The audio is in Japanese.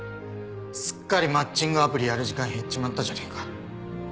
すっかりマッチングアプリやる時間減っちまったじゃねえか。